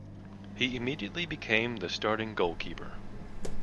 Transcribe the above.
He immediately became the starting goalkeeper.